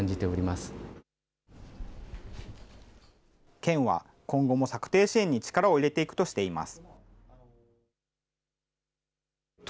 県は今後も策定支援に力を入れていくとしています。